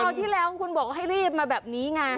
ที่แล้วคุณบอกให้รีบมาแบบนี้ไง